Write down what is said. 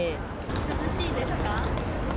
涼しいですか？